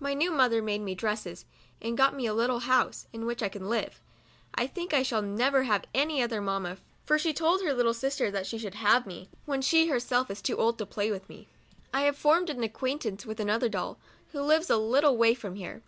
My new mother made me dresses, and got me a little house, in which I can live. I think I never shall have any other mamma, for she told her little sister that she should 7 82 MEMOIRS OF A COUNTRY DOLL. have me when she is herself too old to play with me. I have formed an acquaintance with another doll, who lives a little way from here.